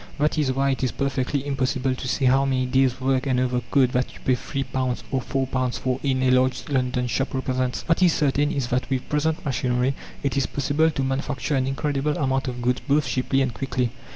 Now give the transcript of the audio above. That is why it is perfectly impossible to say how many days' work an overcoat that you pay £3 or £4 for in a large London shop represents. What is certain is that with present machinery it is possible to manufacture an incredible amount of goods both cheaply and quickly.